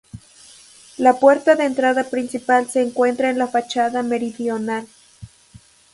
La puerta de entrada principal se encuentra en la fachada meridional.